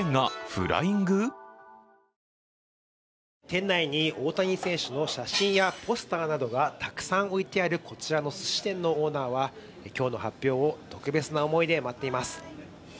店内に大谷選手の写真やポスターなどがたくさん置いてあるこちらのすし店のオーナーは、今日の発表を特別な思いで待っています。